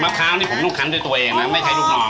พร้าวนี่ผมต้องคันด้วยตัวเองนะไม่ใช่ลูกน้อง